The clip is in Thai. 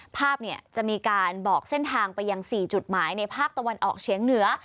ภาพจะมีการบอกเส้นทางไปยัง๔จุดหมายในภาคตะวันออกเฉียงเหนือ